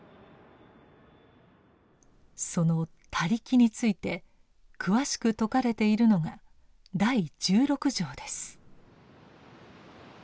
その「他力」について詳しく説かれているのが第十六条です。